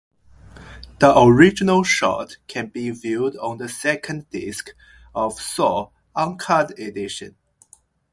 The original short can be viewed on the second disc of "Saw: Uncut Edition".